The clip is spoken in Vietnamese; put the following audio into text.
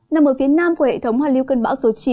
nằm ở phía nam của hệ thống hoàn lưu cơn bão số chín